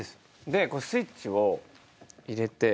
でこれスイッチを入れて。